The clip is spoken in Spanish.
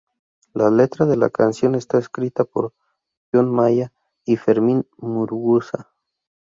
La letra de la canción está escrita por Jon Maia y Fermin Muguruza.